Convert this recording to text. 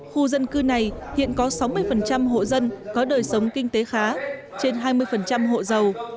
khu dân cư này hiện có sáu mươi hộ dân có đời sống kinh tế khá trên hai mươi hộ giàu